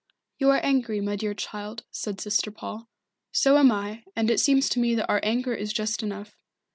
"You are angry, my dear child," said Sister Paul. "So am I, and it seems to me that our anger is just enough.